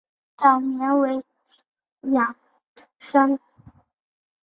早年为郡庠生。